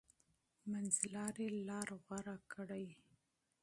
منځلاري لار غوره کړئ.